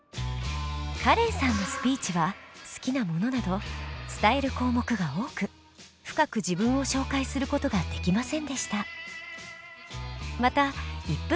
カレンさんのスピーチは好きなものなど伝える項目が多く深く自分を紹介する事ができませんでした。